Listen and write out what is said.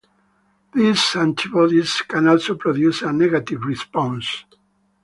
These antibodies can also produce a negative response.